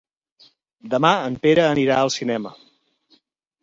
Demà en Pere anirà al cinema.